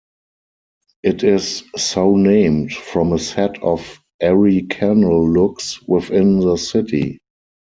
It is so named from a set of Erie Canal locks within the city.